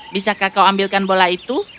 bisakah kau ambilkan bola itu